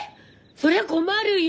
そりゃあ困るよ！